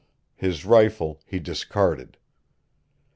His rifle he discarded.